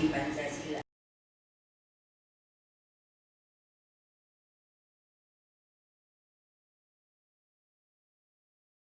harap anda bersedia selalu menunggu